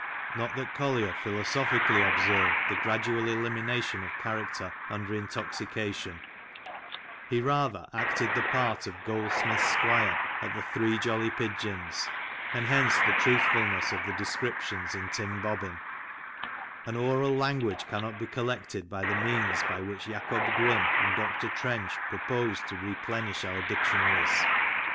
Not that Collier philoso phically observed the gradual elimination of character under intoxi cation ; he rather acted the part of Goldsmith^s squire at ^^ The Three Jolly Pigeons,'" and hence the truthfulness of the descriptions in Tim Bobbin, An oral language cannot be collected by the means by which Jacob Qrimm and Dr. Trench propose to replenish our Dictionaries.